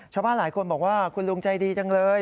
ชาวบ้านหลายคนบอกว่าคุณลุงใจดีจังเลย